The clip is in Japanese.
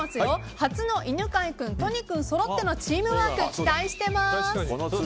初の犬飼君、都仁君そろってのチームワーク、期待してます。